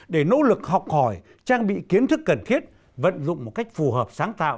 để nỗ lực học hỏi trang bị kiến thức cần thiết vận dụng một cách phù hợp sáng tạo